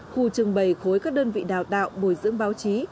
khu trưng bày khối các đơn vị đào tạo bồi dưỡng báo chí